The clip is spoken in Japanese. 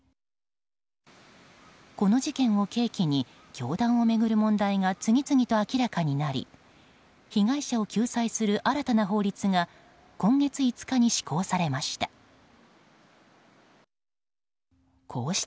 この事件を契機に教団を巡る問題が次々と明らかになり被害者を救済する新たな法律が今月５日に施行されました。